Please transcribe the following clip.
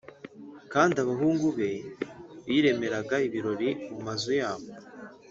kandi abahungu be biremeraga ibirori mu mazu yabo